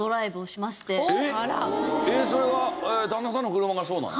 えっそれは旦那さんの車がそうなの？